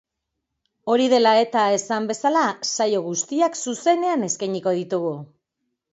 Hori dela eta, esan bezala, saio guztiak zuzenean eskainiko ditugu.